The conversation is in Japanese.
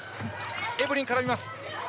エブリンが絡みます。